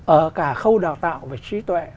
ở cả khâu đào tạo về trí tuệ